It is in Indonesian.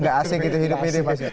gak asing gitu hidup ini pasti